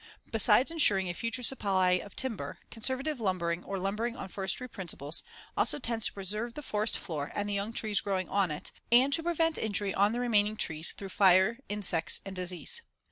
Besides insuring a future supply of timber, conservative lumbering, or lumbering on forestry principles, also tends to preserve the forest floor and the young trees growing on it, and to prevent injury to the remaining trees through fire, insects and disease.